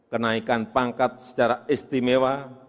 kenaikan pangkat secara istimewa